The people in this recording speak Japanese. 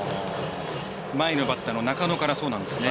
前のバッターの中野からそうなんですね。